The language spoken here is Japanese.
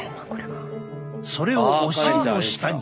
それをお尻の下に。